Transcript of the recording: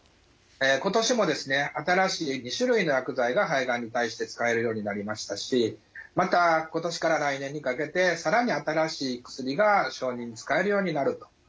今年もですね新しい２種類の薬剤が肺がんに対して使えるようになりましたしまた今年から来年にかけて更に新しい薬が承認使えるようになるというふうな状況です。